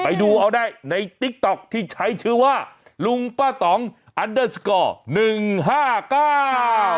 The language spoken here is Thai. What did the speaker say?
ไปดูเอาได้ในติ๊กต๊อกที่ใช้ชื่อว่าลุงป้าตองอันเดอร์สกอร์หนึ่งห้าเก้า